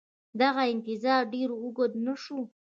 دغه انتظار ډېر اوږد نه شو